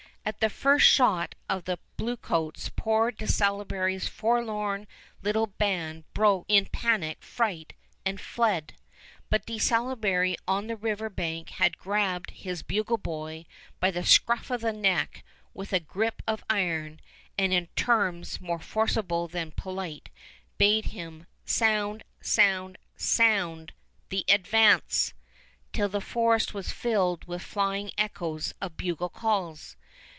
At the first shot of the bluecoats poor De Salaberry's forlorn little band broke in panic fright and fled, but De Salaberry on the river bank had grabbed his bugle boy by the scruff of the neck with a grip of iron, and in terms more forcible than polite bade him "sound sound sound the advance," till the forest was filled with flying echoes of bugle calls.